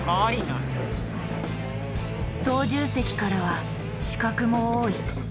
操縦席からは死角も多い。